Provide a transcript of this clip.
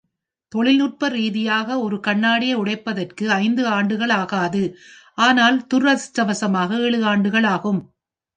தொழில்நுட்ப ரீதியாக, ஒரு கண்ணாடியை உடைப்பதற்கு ஐந்து ஆண்டுகள் ஆகாது, ஆனால் துர்திர்ஷடவசமாக ஏழு ஆண்டுகள் ஆகும்.